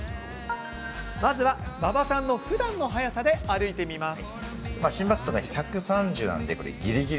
まずは、馬場さんのふだんの速さで歩いてみます。